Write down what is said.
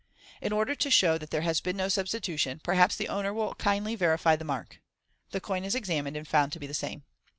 In order to show that there has been no substitution, perhaps the owner will kindly verify the mark.*' The coin is examined, and found to be the same.